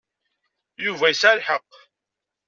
Yuba yesɛa lḥeqq.